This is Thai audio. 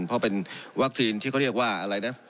เพราะเป็นวัคซีนที่เขาเรียกว่าอะไรนะ